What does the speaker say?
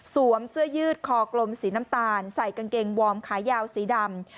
เสื้อยืดคอกลมสีน้ำตาลใส่กางเกงวอร์มขายาวสีดำ